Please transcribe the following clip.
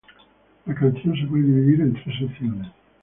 La canción se puede dividir en tres secciones.